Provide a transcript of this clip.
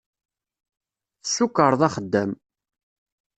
Tessukreḍ axeddam.